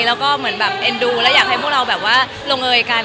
แล้วก็แบบเอ็นดูและอยากให้พวกเราลงเอยกัน